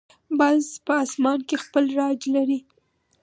باز په آسمان کې خپل راج لري